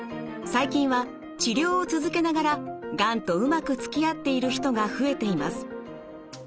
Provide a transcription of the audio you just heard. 最近は治療を続けながらがんとうまくつきあっている人が増えています。